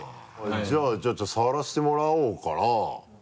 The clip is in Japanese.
じゃあちょっと触らせてもらおうかな。